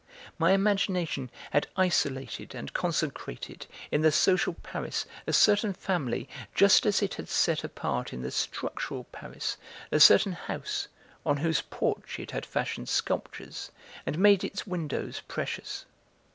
My imagination had isolated and consecrated in the social Paris a certain family, just as it had set apart in the structural Paris a certain house, on whose porch it had fashioned sculptures and made its windows precious.